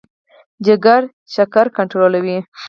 جګر شکر کنټرولوي.